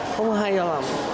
không hay cho lắm